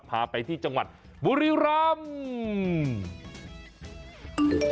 พาไปที่จังหวัดบุริรัมป์